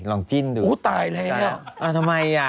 ลองจิ้นดูอุ๊ยตายเลยอ่ะทำไมอ่ะ